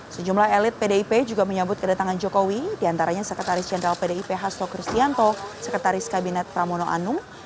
sejumlah elit pdip juga menyambut kedatangan jokowi diantaranya sekretaris jenderal pdip hasto kristianto sekretaris kabinet pramono anung